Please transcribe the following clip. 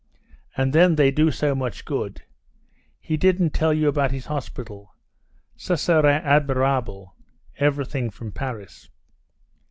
And then they do so much good. He didn't tell you about his hospital? Ce sera admirable—everything from Paris."